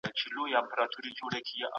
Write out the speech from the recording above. شخصي او فردي ملکیت یو مهم فطري حق دی.